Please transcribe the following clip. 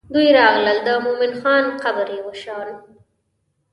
دوی راغلل د مومن خان قبر یې وشان.